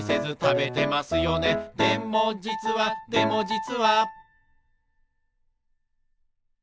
「でもじつはでもじつは」